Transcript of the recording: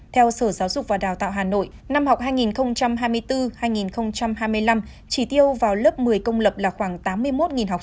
theo sở giáo dục và đào tạo hà nội năm học hai nghìn hai mươi bốn hai nghìn hai mươi năm chỉ tiêu vào lớp một mươi công lập là khoảng tám mươi một học sinh